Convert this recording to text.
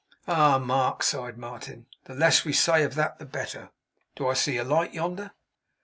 'Ah, Mark!' sighed Martin, 'the less we say of that the better. Do I see the light yonder?